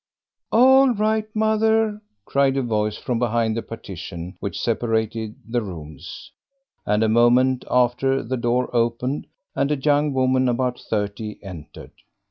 "All right, mother," cried a voice from behind the partition which separated the rooms, and a moment after the door opened and a young woman about thirty entered.